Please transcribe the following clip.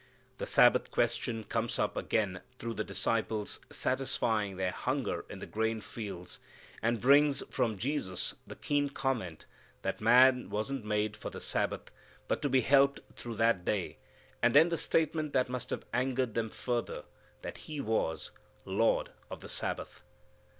The Sabbath question comes up again through the disciples satisfying their hunger in the grain fields, and brings from Jesus the keen comment that man wasn't made for the Sabbath, but to be helped through that day, and then the statement that must have angered them further that He was "Lord of the Sabbath."